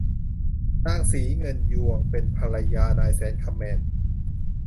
นางศรีเงินยวงเป็นภรรยานายแสนคำแมน